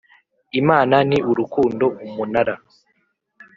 Imana ni urukundo umunara